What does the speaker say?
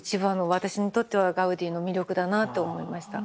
私にとってはガウディの魅力だなって思いました。